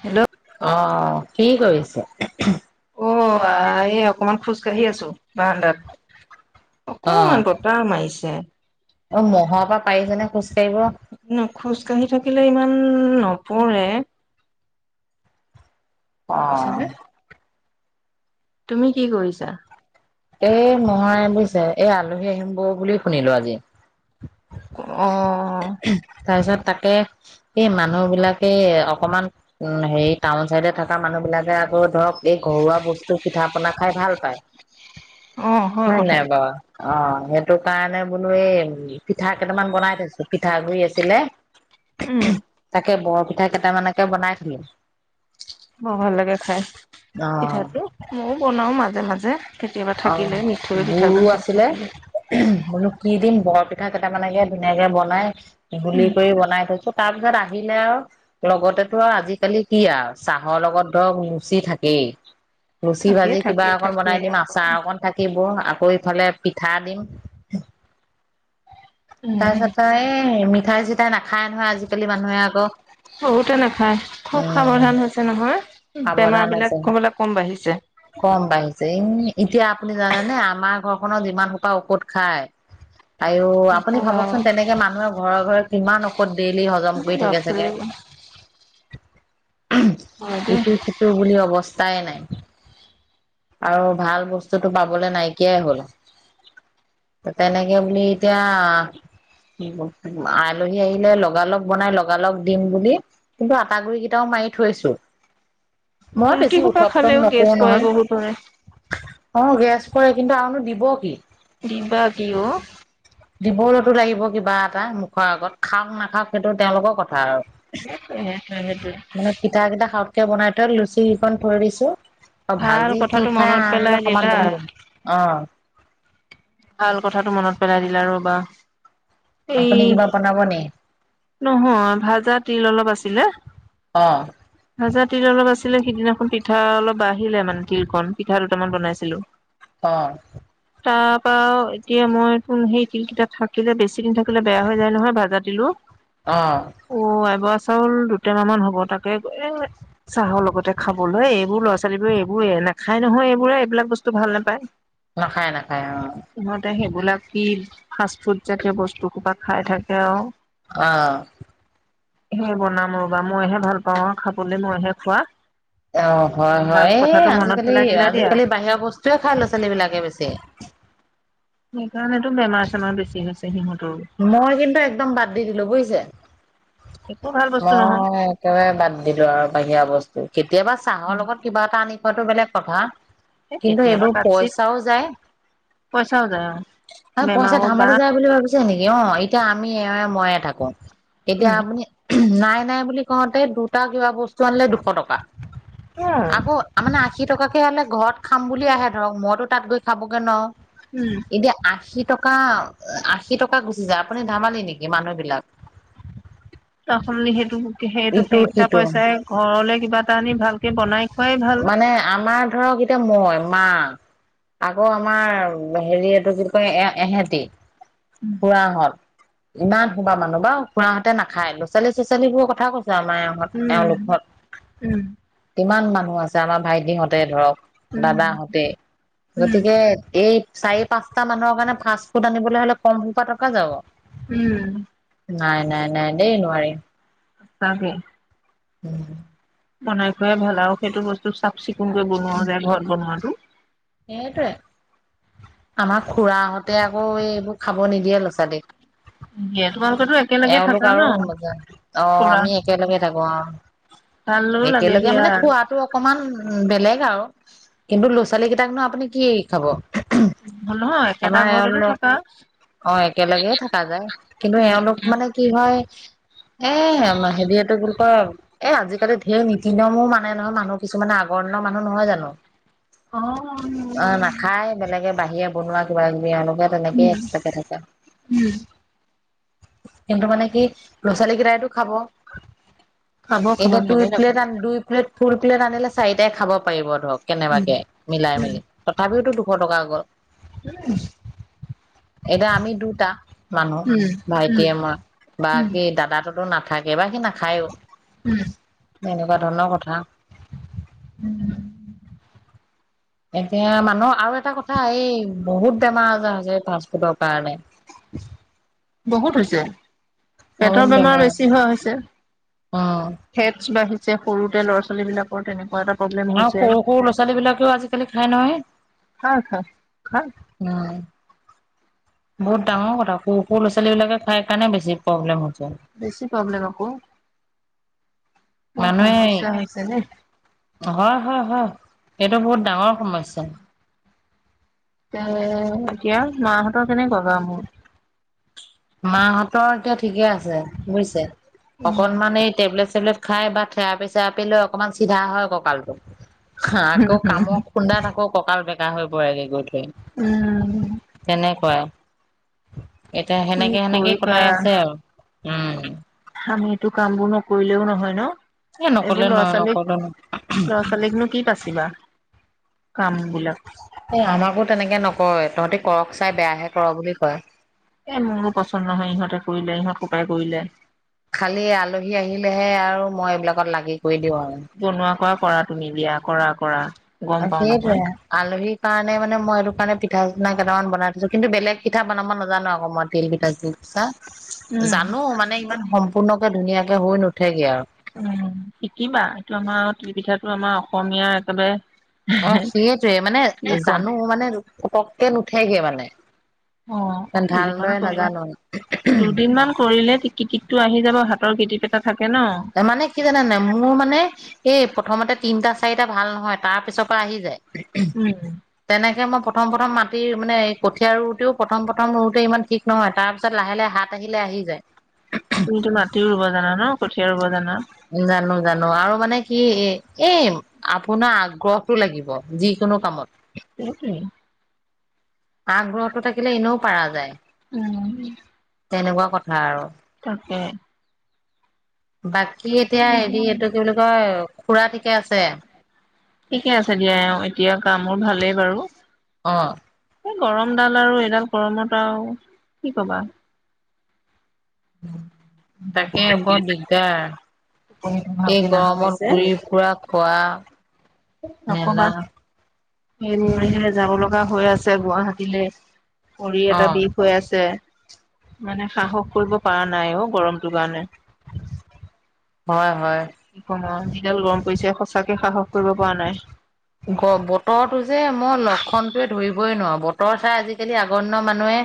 Hello অ কি কৰিছে? অ এই অকনমান খোজকাঢ়ি আছো বাৰান্দাত অ', অকনমান বতাহ মাৰিছে অ মহৰ পৰা পাৰিছেনে খোজ কাঢ়িব? খোজকাঢ়ি থাকিলে ইমান নপৰে বুজিছানে অহ তুমি কি কৰিছা? এ মই বুজিছে এই আলহী আহিম বৌ বুলি শুনিলো আজি অ তাৰপিছত তাক কে এই মানুহ বিলাকে অকমান উ হেৰি টাউন চাইডে থকা মানুহ বিলাকে আকৌ ধৰক এই ঘৰুৱা বস্তু পিঠা পনা খাই ভাল পায় অ হয় নাই কথাটো বাৰু? অ সেইটো কাৰণে বোলো এই পিঠা কেইটামান বনাই থৈছো পিঠাগুৰি আছিলে উম তাকে বৰপিঠা কেইটামানকে বনাই থলো বৰ ভাল লাগে খাই, অ', পিঠাটো ময়ো বনাও মাজে মাজে কেতিয়াবা অ থাকিলে মিঠৈ গুৰো পিঠাগুৰি চব আছিলে থাকিলে মনো কি দিম বৰ পিঠা কেইটামানেকে ধুনীয়াকে বনাই ঘূলি উম কৰি বনাই থৈছো তাৰ পিছত আহিলে আৰু লগতেতো আৰু আজিকালি কি আ চাহৰ লগত ধৰক লুচি থাকেই লুচি থাকে ভাজি কিবা থাকে অকন থাকে বনাই অ দিম আ চাহ অকণ থাকিব, আকৌ ইফালে পিঠা দিম উম তাৰপিছত আ এই মিঠাই চিঠাই নাখায় নহয় আজিকালি মানুহে আকৌ বহুতে নাখায় খুব উম সাৱধান হৈছে নহয় বেমাৰ সাৱধান আছে বিলাক কবলৈ কম বাঢ়িছে কম বাঢ়িছে ইম এতিয়া আপুনি জানেনে আমাৰ ঘৰখনত যিমান সোপা ঔষধ খায় আই অ আপুনি নকবা ভাবকচোন তেনেকে মানুহৰ ঘৰেৰ ঘৰে কিমান ঔষধ ডেইলি হজম আৰু কৰি থাকে বাপৰে চাগে হয় দেই ইটো সিটো বুলি অৱস্থাই নাই আৰু ভাল বস্তুটো পাবলৈ নাইকিয়াই হ'ল তেনেকে বুলি এতিয়া আলহী আহিলে লগালগ বনাই লগালগ দিম বুলি কিন্তু আটা গুৰি কেইটাও মাৰি থৈছো মই বেছি উত্তপ্ত ন কয় বহুতৰে অ গেছ কৰে কিন্তু আৰুনো দিব কি বিভাগীয় দিবলৈতো লাগিব কিবা এটা মুখৰ আগত খাওক নাখাওক সেইটো তেওঁলোকৰ কথা আৰু। সেইটোৱে মানে পিঠা কেইটা খাওতকে বনাই থৈ লুচি কেইখন থৈ দিছো। অ ভাল ভাজি কি কথাটো খাই মনত আনিলে পেলাই অকমান দিলা বনাই দিম অ ভাল কথাতো মনত পেলাই দিলা ৰ বা আপুনি কিবা বনাব নে নহয় ভাজা তিল অলপ আছিলে। অ আজা তিল অলপ আছিলে সিদিনাখন পিঠা অলপ বাঢ়িলে মানে তিলখন পিঠা দুটামান বনাইছিলো। অ তাৰ পৰা আও এতিয়া মই তোন সেই তিলকেইটা থাকিলে বেছি দিন থাকিলে বেয়া হৈ যায় নহয় ভাজা তিলো অ অ' আইবৰা চাউল দুটা মান হ'ব তাকে এ চাহৰ লগতে খাবলৈ এইবোৰ ল'ৰা ছোৱালী বোৰে এইবোৰে আ নাখায় নহয় এইবোৰে এইবিলাক বস্তু ভাল নোপায়, নাখায় নাখায় অ', সিহঁতে সেই গলাকি ফাষ্ট ফুড জাতীয় বস্তু কোবা খাই থাকে আৰু [unintelligible] অ সেই বনাম ৰবা মইহে ভাল পাওঁ আৰু খাবলৈ মইহে খোৱা অ হয় ভাল হয় এই কথাটো মনত আজিকালি পেলাই দিলা দিয়া। আজিকালি বাহিৰৰ বস্তুয়ে খাই ল'ৰা ছোৱালী বিলাকে বেছি [inaudible] সেইকাৰণেতো বেমাৰ চেমাৰ বেছি হৈছে সিহঁত মই কিন্তু একদম বাদ দি দিলো বুজিছে একো ভাল বস্তু নহয় মই একেবাৰে বাদ দিলো আৰু বাহিৰা বস্তু কেতিয়াবা চাহৰ লগত কিবা এটা আনি খোৱাটো বেলেগ কথা এই কিন্তু কেতিয়াবা এইবোৰ কাৎচিত পইচাও যায়। পইচাও যায় আৰু হ পইচা বেমাৰৰ ধেমালি বাহ যায় বুলি ভাবিছে নেকি [unintelligible] অ এতিয়া আমি এ মইয়ে থাকো, এতিয়া উম, আপুনি নাই নাই বুলি কওঁতে দুটা কিবা বস্তু আনিলে দুশ টকা। উম, আকৌ মানে আশী টকাকে হলে ঘৰত খাম বুলি আহে ধৰক মইতো তাত গৈ খাবগে ন উম। এতিয়া আশী টকা আশী টকা গুচি যায় আপুনি ধেমালি নেকি মানুহ বিলাক ত শনলি সেইটো সেইটো ইটো সেইকেইটা সিটো পইচাই ঘৰলে কিবা এটা আনি ভাল [unintelligible] খোৱাই মানে আমাৰ ধৰক এতিয়া মই মা আকৌ আমাৰ হেৰি এইটো কি কয় এ এহেতি। উম খুৰাঁহত ইমান শোবা মানুহ বা খুৰাহঁতে নাখায় লৰা ছালীবোৰ কথা কৈছ আমাৰ ইহঁত এওঁলোকত, উম কিমান মানুহ আছে আমাৰ ভাইটিহঁতে ধৰক উম দাদাহতে উম গতিকে এই চাৰি পাঁচটা মানুহৰ কাৰণে ফাষ্ট ফুড আনিবলৈ হলে কম সোপা টকা যাব। উম! নাই নাই নাই দেই নোৱাৰি। তাকে উম! বনাই খোৱাই ভাল আৰু সেইটো বস্তু চাফ চিকুণকৈ বনোৱাও যায় ঘৰত বনোৱাতটো। সেইটোৱে। আমাৰ খুৰাহঁতে আকৌ এইবোৰ খাব নিদিয়ে ল'ৰা ছোৱালীক। আ এওঁলোক আৰু আহ খুৰা আমি একেলগে থাকোঁ আহ। ভালো লাগে একেলগে দিয়া মানে খোৱাটো অকমান। উম বেলেগ আৰু কিন্তু ল'ৰা -ছোৱালী কেইটাক ন আপুনি কি খাব। নহয় একেটা আমাৰ ঘৰতেতো এওঁলোক থকা। অ একেলগে থকা যায় কিন্তু উম এওঁলোক মানে কি হয় এ হেৰিটো বুলি কয় এ আজিকালি ঢেৰ নীতি নিয়মো মানে নহয় মানুহ কিছুমানে আগৰ মানুহ নহয় জানো অ অ নাখায় বেলেগে বাহিৰে বনোৱা কিবা কিবি এনেকে টেনেকে এষ্টাকে থাকে [unintelligible] কিন্তু মানে কি ল'ৰা ছোৱালী কেইটাইতাটো খাব। খাব খাব এইটো দুই কেলে প্লেট নাখাব দুই প্লেট। ফুল প্লেট আনিলে চাৰিটাই খাব পাৰিব ধৰক কেনেবাকে মিলাই মেলি তথাপিতো দু জুন টকা গ'ল। এতিয়া আমি দুটা মানুহ ভাই এতিয়া মই বাকী দাদাতোতো নাথাকে বা সি নাখায়ো। [unintelligible] উম! এনেকুৱা ধৰণৰ কথা। উম! এতিয়া মানুহৰ আৰু এটা কথা এই বহুত বেমাৰ আজাৰ হৈছে ফাষ্ট ফুডৰ কাৰণে। বহুত হৈছে। বহুত পেটৰ বেমাৰ বেছি আজাৰ হোৱা হৈছে অ ফেটছ বাঢ়িছে। যে সৰুতে ল'ৰা- ছোৱালী বিলাকৰ তেনেকোৱা এটা প্ৰব্লেম আৰু হৈছে সৰু সৰু ল'ৰা-ছোৱালী বিলাকেও আজিকালি খাই নহয়। খা খা খা উম! বহুত ডাঙৰ কথা সৰু সৰু' ল'ৰা-ছোৱালী বিলাকে খাই কাৰণে বেছি প্ৰব্লেম হ বেছি প্ৰব্লেম আকৌ। বৰ মানুহে সমস্যা হৈছে দেই নহয় হয় হয় এইটো বহুত ডাঙৰ সমস্যা। এ এতিয়া মাহঁতৰ কেনেকোৱা গা মোৰ মাহঁতৰ এতিয়া ঠিকে আছে বুজিছে, অকনমান এই টেবলেট চেবলেট খাই বা থেৰাপি চেৰাপি লৈ অকমান চিধা হয় কঁকালটো হা আকৌ কামৰ খুন্দাত আকৌ কঁকাল বেকা হৈ পৰেগৈ গৈ উম থৈ তেনেকোৱাই এতিয়া কি সেনেকে সেনেকেই কৰিবা কটাই আছে আৰু উম আমি এইটো কাম বোৰ নকৰিলেও নহয় ন এ নকলে এইবোৰ ল'ৰা নহয় নকলে ন ছোৱালীক লৰা ছোৱালীকনো কি পাচিবা কামবিলাক মোৰ তেনেকে নকয় তহঁতি কৰক চাই বেয়াহে কৰ বুলি কয় এ মোৰো পচন্দ নহয় ইহঁতে কৰিলে ইহঁত ককাই কৰিলে খালি আলহী আহিলেহে আৰু মই এইবিলাকত লাগি কৰি দিওঁ আৰু বনোৱা কৰা কৰা তুমি দিয়া কৰা কৰা গম অ পাও সেটোৱে নহয় আও আলহী কাৰণে মানে মই এইটো কাৰণে পিঠা চনা কটামান বনাই থৈছো কিন্তু বেলেগ পিঠা বনাব নাজানো আকৌ মই তিল পিঠা চিল পিঠা উম জানো মানে ইমান সম্পূৰ্ণকে ধুনীয়াকে হৈ নুঠেগে আৰু উম শিকিবা এইটো আমাৰ তিলপিঠাটো আমাৰ অসমীয়াৰ একেবাৰে অ সেইটোৱে মানে কি ক'ম জানো মানে পতককে নুঠেগে মানে অ দুদিনমান ভালদৰে নাজানো কৰিলে দুদিনমান কৰিলে কৃতিপটো আহি যাব হাতৰ কৃতিপ এটা থাকে ন। মানে কি জানা নাই মোৰ মানে এই প্ৰথমতে তিনটা চাৰিটা ভাল নহয় তাৰ পিছৰ পৰা আহি যায় তেনেকে মই প্ৰথম প্ৰথম মাটিৰ মানে এই কঠীয়া ৰুটেও প্ৰথম প্ৰথম ৰুওটো ইমান ঠিক নহয় তাৰপিছত লাহে লাহে হাত আহিলে আহ আহি যায় তুমিতো মাটিও ৰুব জানা ন কঠীয়া ৰুব জানা জানো জানো আৰু মানে কি এ এই আপোনাৰ আগ্ৰহতো লাগিব যিকোনো কামত সেইটোৱে আগ্ৰহতো থাকিলে এনেও পাৰা যায় উম তেনেকোৱা কথা আৰু তাকে বাকী এতিয়া হেৰি এইটো কি বুলি কয় খুৰা ঠিকে আছে ঠিকে আছে দিয়া এতিয়া গা মোৰ ভালেই বাৰু অ এই গৰমডাল আৰু এইডাল গৰমত আৰু কি কবা তাকে বৰ টোপনিটো দিগদাৰ ভালকে এই নাহা গৰমত হৈছে ঘূৰি ফুৰা খোৱা মেলা নকবা হে মোৰ হে যাব লগা হৈ আছে গুৱাহাটীলে ভৰি এটা অ', বিষ হৈ আছে মানে সাহস কৰিব পৰা নাই অ গৰমটোৰ কাৰণে হয় হয় সময় যিডাল গৰম পৰিছে সঁচাকে সাহস কৰিব পৰা নাই। বতৰটো যে মই লক্ষণটোৱে ধৰিবই নোৱাৰো বতৰ চাই আজিকালি আগৰ দিনৰ মানুহে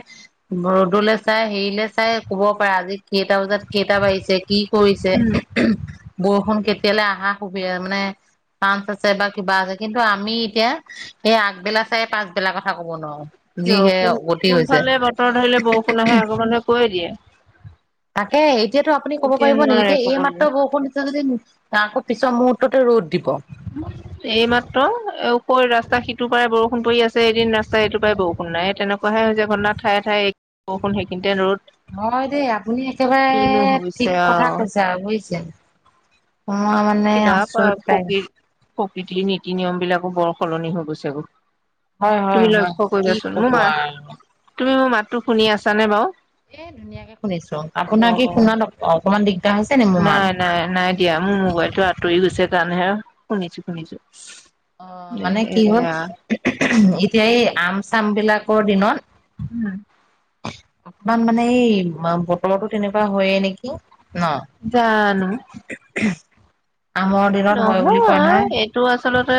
ৰ'দলৈ চাই হেৰিলৈ চাই ক'ব পাৰে আজি কেইটা বজাত কেইটা বাঢ়িছে কি কৰিছে বৰষুণ কে তেতিয়লে আহা সুবি মানে পাঞ্চ আছে বা কিবা আছে। কিন্তু আমি এতিয়া এই আগবেলা চাই পাছবেলা কথা কব নোৱাৰোঁ। কিয় কোন কোনফালে বতৰ ধৰিলে বৰষুণ আহে আগৰ মানুহে কৈ দিয়ে। তাকে এতিয়াতো আপুনি ক'ব এতিয়া পাৰিব নি, নোৱাৰে এতিয়া কবলৈ এইমাত্ৰ বৰষুণ দিছে যদি আকৌ পিছৰ মুহুৰৰ্ততে ৰ'দ দিব এইমাত্ৰ কৈ ৰাছ ৰাস্তা সিটো পৰাই বৰষুণ পৰি আছে এদিন ৰাস্তা এইটো পৰাই বৰষুণ নাই তেনেকুৱাহে হৈছে ঘটনা ঠায় ঠাই এক। বৰষু- সেইখিনিতে ৰ'দ হয় দেই আপুনি একেবাৰে কিনো হৈছে ঠিক কথা আৰু কৈছে আও বুজিছে। মই মানে কিবা আচৰিত পাই প্ৰকৃ প্ৰকৃতিৰ নীতি নিয়ম বিলাকো বৰ সলনি হৈ গৈছে অ। হয় হয় তুমি হয় লক্ষ্য কি কৰিবাচোন কব মোৰ মা আৰু তুমি মোৰ মাতটো শুনি আছা নে বাও। এ ধুনীয়াকে শুনিছো আপোনাৰ কি অ', শুনাত অকমান দিগদাৰ হৈছে নি মোৰ নাই মাত। নাই নাই দিয়া মোৰ মোবাইলটো আঁতৰি গৈছে কাৰণে শুনিছো শুনিছো। অ মানে কি হ'ল? সেয়া এতিয়া এই আম চাম বিলাকৰ দিনত হোম অকমান মানে এই বতলটো তেনেকুৱা হয়য়ে নেকি? ন জানো আমৰ দিনত হয় বুলি কয় নহয় এইটো আছ- আচলতে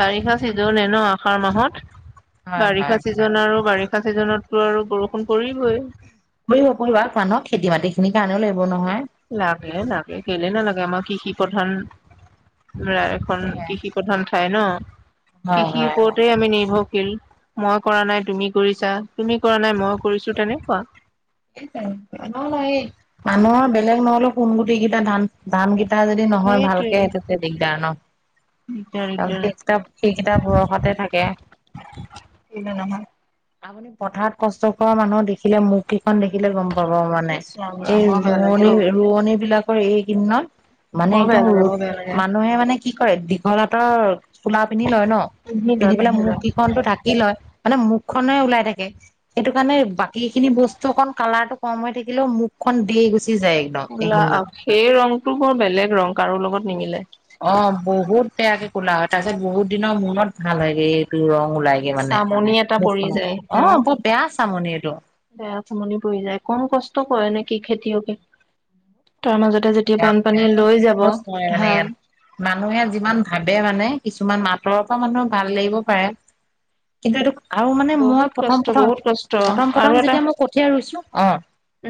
বাৰিষা চিজনে ন আহাৰ মাহত হয় বাৰিষা হয় ছিজন আৰু বাৰিষ- ছিজনতটো আৰু বৰষুণ পৰিবই। পৰিব পৰিব আৰু মানুহক খেতি মাটি খিনিৰ কাৰণেও লাগিব নহয়। লাগে লাগে কেলে নালাগে আমাক কৃষি প্ৰধান আৰ এখন সেয়াই কৃষি প্ৰধন ঠাই ন হয় কৃষিৰ হয় ওপৰতে আমি নিৰ্ভৰ শীল মই কৰা নাই তুমি কৰিছা তুমি কৰা নাই মই কৰিছো তেনেকুৱা [unintelligible] এই মানুহৰ বেলেগ নহলেও সোন গুটি কেইটা ধান ধান কেইটা এটা যদি নহয় সেইটোৱে ভালকে তাতে দিগদাৰ ন। দিগদাৰ কাৰ দিগদাৰ সেই কিতাপ সেইকেইটাপ বয়সতে থাকে কেলে নহয় আপুনি পথাৰত কষ্ট কৰা মানুহ দেখিলে মোক খন দেখিলে গম পাব মানে ইছ ৰাম ৰাম এই বৰ বেয়া লাগে ৰোৱনী অ ৰোৱনী বিলাকৰ এই কিদিনত মানে বৰ বেয়া একদম লাগে ৰ'দ বৰ বেয়া লাগে মানুহে মানে কি কৰে ঘলাতৰ চোলা পিন্ধি লয় ন পিন্ধি পেলাই মুখ কেইখন টো ঢাকি লয় মানে মুখ খনে ওলাই থাকে সেইটো কাৰণে বাকী খিনি বস্ত- খন কালাৰ টো কম হৈ থাকিলেও মুখ খন দে গৈ- কোলা আহ সেই ৰংটো মোৰ বেলেগ ৰং কাৰো লগত নিমিলে। অ বহুত বেয়াকে কোলা হয় তাৰ পিছত বহুত দিনৰ মনত ভাল হয় এইটো ৰং মোলাইগে মানে চামনি এটা মুখ পৰি খন যায় ন অ বেয়া চামনি এইটো বেয়া চামনি পৰি যায় কম কষ্ট কৰে নে কি খেতিয়কে তাৰ মাজত পুনি ই সহজ কৰে মানে ধান ইয়াত মানুহে যিমান ভাবে মানে কিছুমান মাত ঘৰৰ পৰা মানুহৰ ভাল লাগিব পাৰে কিন্তু এইটো আৰু মানে মই বহুত কষ্ট প্ৰথম প্ৰথম বহুত কষ্ট প্ৰথম আৰু প্ৰথম এটা যেতিয়া মই কঠিয়া ৰুইছো অ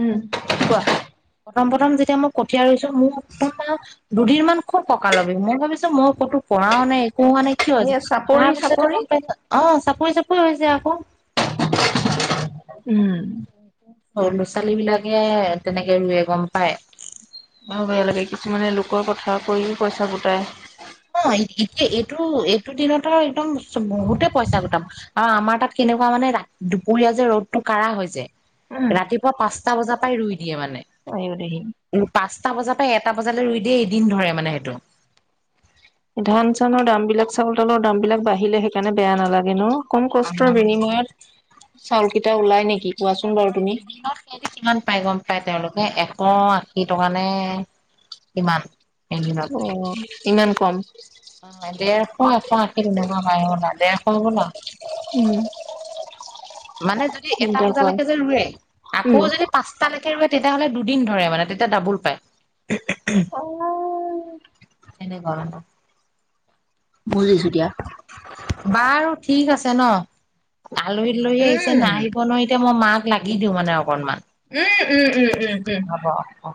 উম কোৱা প্ৰমম প্ৰথম যেতিয়া মই কঠ- ঠিয়া ৰুইছো মোৰ দুদিন মান খুব ককালৰ বিষ মই ভাবিছো মই ক'তো পৰাও নাই পোওৱা নাই কিয় এই চাপৰি তাৰ পিছতে চাপৰি গম পাইছ অ চাপৰি চাপৰি হৈছে আকৌ উম সৰু ল'ৰা ছোৱালী বিলাকে তেনেকে ৰুয়ে গম পায় আৰু বেয়া লাগে কিছুমানে লোকৰ কথা কও পইচা গোটাই অ এতিয়া এইটো এইটো দিনত আৰু একদম বহুতে পইচা গোটাব আৰু আমাৰ তাত কেনে- কোৱা মানে দুপৰীয়া যে ৰ'দ টো কাৰা হৈ যে উম ৰাতিপুৱা পাঁচটা বজাৰ পৰাই ৰুই দিয়ে মানে আইও দেহি পাঁচ পাঁচটা বজাৰ পৰা এটা বজালৈ ৰুই দিয়ে এদিন ধৰে মানে সেইটো। ধান চানৰ দাম বিলাক চাউল তাউলৰ দাম বিলাক বাঢ়িলে সেইকাৰণে বেয়া নালাগে ন। কম অ কষ্টৰ বিনিময়ত চাউল কেইটা ওলাই নেকি এতিয়া কোৱাচোন বাৰু ধৰক তুমি এদিনত সিহঁতি কিমান পাই গম পায়াই তেওঁলোকে এক শ আশী টকা নে কিমান এদিনত। অ ইমান কম অ ডেৰশ এশ আশী কেনেকোৱা পাই হবলা দেৰশ বোলা মানে যদি এটা চিন্তা কৰা বজালৈকে যে ৰুৱে আকৌ উম যদি পাঁচটালৈকে ৰোৱে তেতিয়া হ'লে দুদিন ধৰে মানে তেতিয়া ডাবুল পায় এনেকুৱা ৰদত বুজিছো দিয়া বাৰু ঠিক আছে ন আলহী দুলহী আহিছে আহিব ন এতিয়া মই মাক লাগি দিওঁ মানে অকণমান উম উম উম উম উম অ অ